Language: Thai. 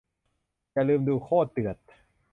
อย่าลืมดู โคตรเดือด